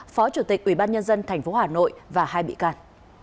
phó chủ tịch ubnd tp hà nội và hai bị can